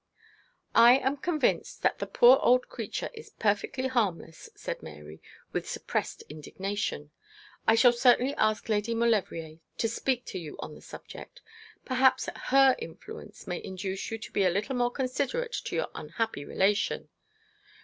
'I am convinced that the poor old creature is perfectly harmless,' said Mary, with suppressed indignation. 'I shall certainly ask Lady Maulevrier to speak to you on the subject. Perhaps her influence may induce you to be a little more considerate to your unhappy relation.'